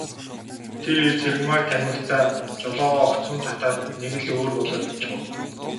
Тэр эр Цэрэгмааг танимагцаа жолоогоо огцом татаад нэг л өөр болоод явчхав.